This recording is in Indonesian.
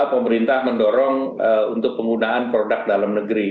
pemerintah mendorong untuk penggunaan produk dalam negeri